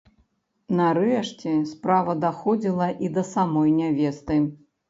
Нарэшце, справа даходзіла і да самой нявесты.